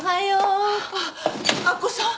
あっ明子さん。